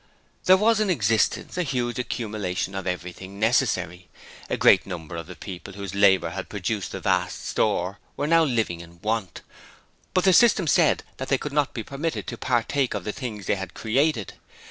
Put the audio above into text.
There was in existence a huge accumulation of everything necessary. A great number of the people whose labour had produced that vast store were now living in want, but the System said that they could not be permitted to partake of the things they had created.